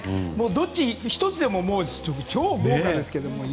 どっち１つでも超豪華ですけど。